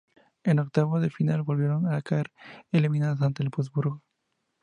En octavos de final volvieron a caer eliminadas ante el Wolfsburgo.